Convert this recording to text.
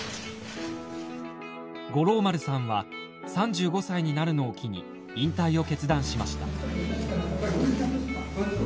五郎丸さんは３５歳になるのを機に引退を決断しました。